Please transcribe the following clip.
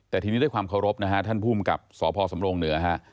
แต่ทีนี้ด้วยความเคารพนะฮะท่านภูมิกับสพสำรงเหนือฮะ